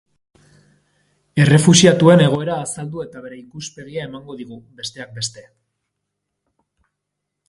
Errefuxiatuen egoera azaldu eta bere ikuspegia emango digu, besteak beste.